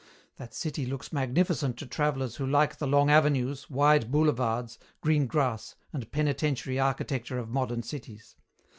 That city looks magnificent to travellers who like the long avenues, wide boulevards, green grass, and penitentiary architecture of modern cities.